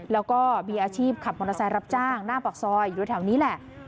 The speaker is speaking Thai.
แล้วก็มีอาชีพขับมอเตอร์ไซค์รับจ้างหน้าปากซอยอยู่แถวนี้แหละ